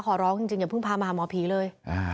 ขอร้องจริงอย่าเพิ่งพามาหาหมอผีเลย